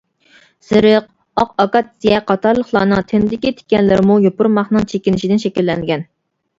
زىرىق، ئاق ئاكاتسىيە قاتارلىقلارنىڭ تېنىدىكى تىكەنلىرىمۇ يوپۇرماقنىڭ چېكىنىشىدىن شەكىللەنگەن.